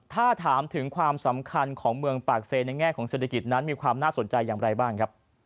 ถ้าถามถึงความสำคัญของเมืองปากเซในแง่ของเศรษฐกิจนั้นมีความน่าสนใจอย่างไรบ้างครับ